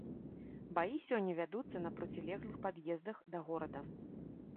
Баі сёння вядуцца на процілеглых пад'ездах да горада.